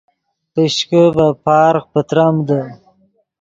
پیشکے ڤے پارغ پتریمدے